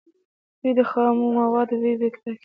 دوی د خامو موادو بیې ټاکي.